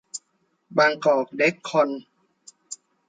บางกอก เดค-คอน